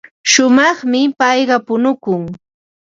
Shumaqmi payqa punukun.